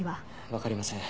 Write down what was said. わかりません。